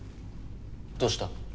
どうした。